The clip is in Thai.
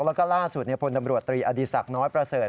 แล้วก็ล่าสุดพลตำรวจตรีอดีศักดิ์น้อยประเสริฐ